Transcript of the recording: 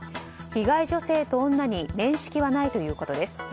被害女性と女に面識はないということです。